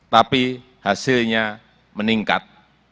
tapi hasilnya meningkat